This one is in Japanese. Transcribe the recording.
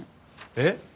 えっ？